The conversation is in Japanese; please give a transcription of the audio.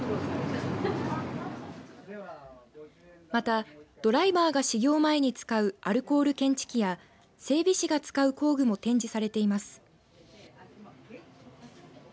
また、ドライバーが始業前に使うアルコール検知器や整備士が使う工具も展示されています。